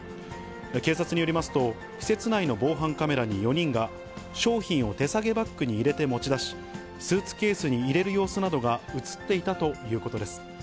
警察によりますと、施設内の防犯カメラに４人が、商品を手提げバッグに入れて持ち出し、スーツケースに入れる様子などが写っていたということです。